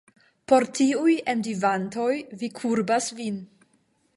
Por tiuj enviantoj vi kurbas vin!